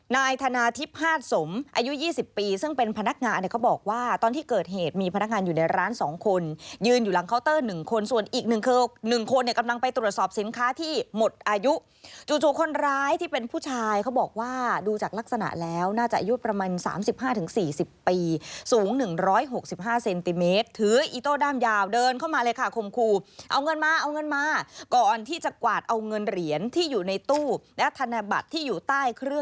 นายธนาทิพห้าสมอายุ๒๐ปีซึ่งเป็นพนักงานเขาบอกว่าตอนที่เกิดเหตุมีพนักงานอยู่ในร้าน๒คนยืนอยู่หลังเคาน์เตอร์๑คนส่วนอีกหนึ่งคือ๑คนกำลังไปตรวจสอบสินค้าที่หมดอายุจู่คนร้ายที่เป็นผู้ชายเขาบอกว่าดูจากลักษณะแล้วน่าจะอายุประมาณ๓๕๔๐ปีสูง๑๖๕เซนติเมตรถืออีโต้ด้ามยาวเดินเข้า